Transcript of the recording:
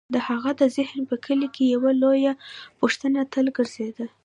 د هغه د ذهن په کلي کې یوه لویه پوښتنه تل ګرځېده: